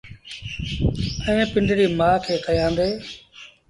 ائيٚݩ پنڊريٚ مآئيٚ کي ڪهيآندي۔